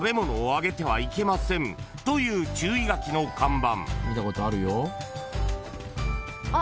［という注意書きの看板］